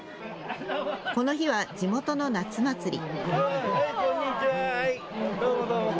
この日は地元の夏祭り。